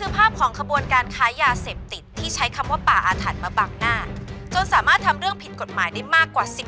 ลูกบอกพ่อเปิ้ลไว้ล่ะแม่จะห้ามเลือดจะได้